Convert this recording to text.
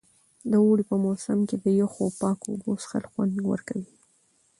د اوړي په موسم کې د یخو او پاکو اوبو څښل خوند ورکوي.